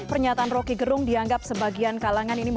pernyataan roky gerung dianggap sebagian kalangan ini